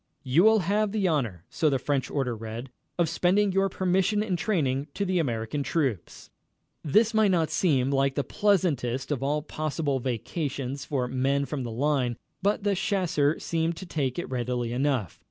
"You will have the honor," so the French order read, "of spending your permission in training the American troops." This might not seem like the pleasantest of all possible vacations for men from the line, but the chasseurs seemed to take to it readily enough.